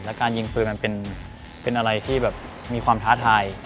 และการยิงปืนมันเป็นอะไรที่แบบมีความท้าทาย